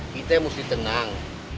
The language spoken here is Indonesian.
kita yang mesti tenang